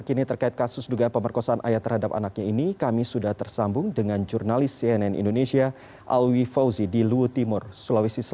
dan baik pihak keluarga korban memberikan informasi